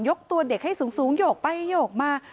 ตัวเด็กให้สูงโยกไปโยกมา